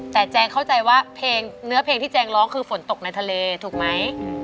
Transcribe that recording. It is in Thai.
แต่แจงเข้าใจว่าเพลงเนื้อเพลงที่แจงร้องคือฝนตกในทะเลถูกไหม